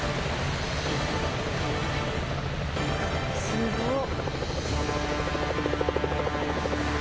すごっ！